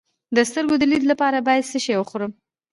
د سترګو د لید لپاره باید څه شی وخورم؟